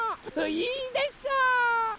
いいでしょ！